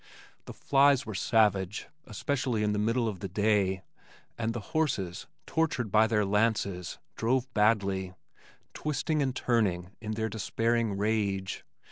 The flies were savage, especially in the middle of the day, and the horses, tortured by their lances, drove badly, twisting and turning in their despairing rage.